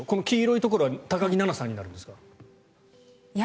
黄色いところは高木菜那さんになるんですか？